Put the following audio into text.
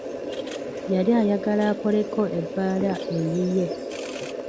Yali ayagala akoleko ebbaala eyiye.